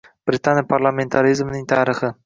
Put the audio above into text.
Britaniya parlamentarizmining tarixi